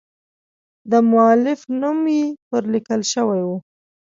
د مؤلف نوم یې پر لیکل شوی و.